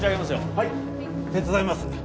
はい手伝います